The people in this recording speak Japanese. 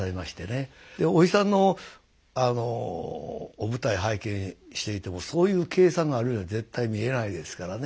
おじさんのお舞台拝見していてもそういう計算があるようには絶対見えないですからね。